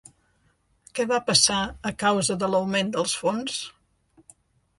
Què va passar a causa de l'augment dels fons?